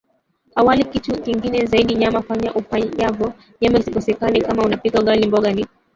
hawali kitu kingine zaidi nyama Fanya ufanyavyo nyama isikosekane Kama unapika ugali mboga ni